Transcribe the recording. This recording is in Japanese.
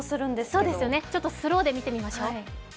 そうですよね、ちょっとスローで見てみましょう。